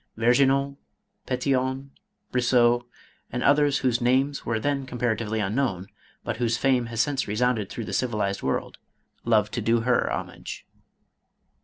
Verginaud, Petion, Brissot, and others whose names were then compara tively unknown, but whose fame has since resounded through the civilized world, loved to do her homage."